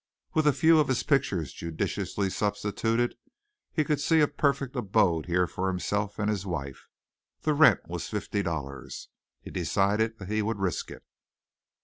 With a few of his pictures judiciously substituted he could see a perfect abode here for himself and his wife. The rent was fifty dollars. He decided that he would risk it.